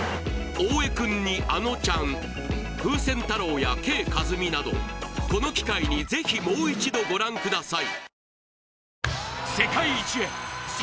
大江くんにあのちゃん風船太郎やＫ．カズミなどこの機会にぜひもう一度ご覧ください